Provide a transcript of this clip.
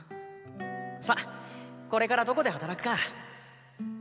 さこれからどこで働くか！